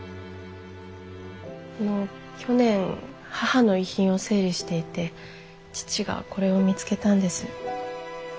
あの去年母の遺品を整理していて父がこれを見つけたんです。